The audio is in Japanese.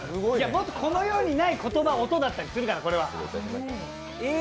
もっとこの世にない言葉、音だったりするから！